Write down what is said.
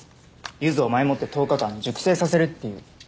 ゆずを前もって１０日間熟成させるっていう。